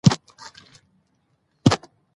د حقایقو په رڼا کې مخکې لاړ شو.